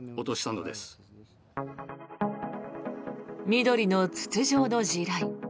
緑の筒状の地雷。